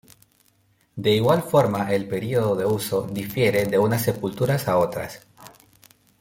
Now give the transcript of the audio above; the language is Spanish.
De igual forma el periodo de uso difiere de unas sepulturas a otras.